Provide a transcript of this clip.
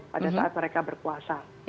pada saat mereka berkuasa